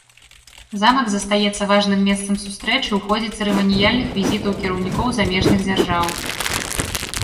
Замак застаецца важным месцам сустрэчы ў ходзе цырыманіяльных візітаў кіраўнікоў замежных дзяржаў.